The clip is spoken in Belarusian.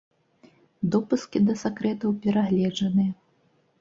Допускі да сакрэтаў перагледжаныя.